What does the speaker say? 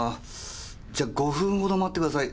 じゃあ５分程待ってください。